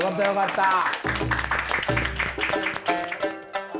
よかった。